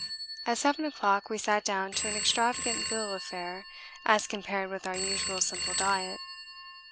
At seven o'clock we sat down to an extravagant bill of fare as compared with our usual simple diet.